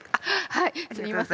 はいすみません。